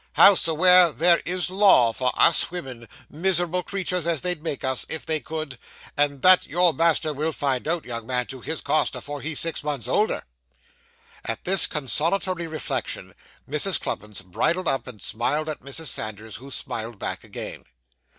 Hows'ever, there is law for us women, mis'rable creeturs as they'd make us, if they could; and that your master will find out, young man, to his cost, afore he's six months older.' At this consolatory reflection, Mrs. Cluppins bridled up, and smiled at Mrs. Sanders, who smiled back again.